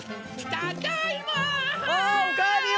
ただいま。